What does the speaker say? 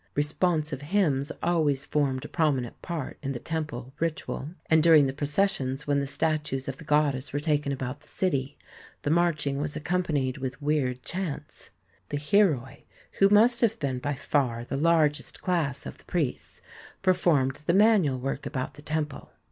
Responsive hymns always formed a prominent part in the temple ritual, and during the processions when the statues of the goddess were taken about the city, the marching was accompanied with weird chants. The Hieroi, who must have been by far the largest class of the priests, performed the manual work about the temple.